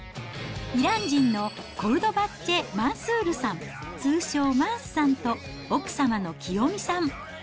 イラン人のコルドバッチェ・マンスールさん、通称マンスさんと、奥様のきよみさん。